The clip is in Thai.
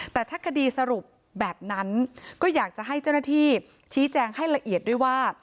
แต่ถ้าคดีสรุปแบบนั้นก็อยากจะให้เจ้าหน้าที่ชี้แจงให้ละเอียดด้วยว่า